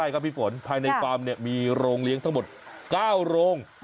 ครับพี่ฝนภายในฟาร์มมีโรงเลี้ยงทั้งหมด๙โรง